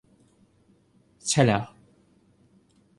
ใช่แล้ว